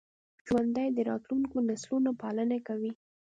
ژوندي د راتلونکو نسلونو پالنه کوي